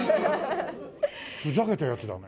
ふざけたヤツだね。